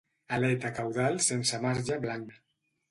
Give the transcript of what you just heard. Aleta caudal sense marge blanc.